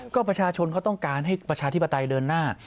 ก็ประชาชนเขาต้องการให้ประชาธิปไตยเดินหน้า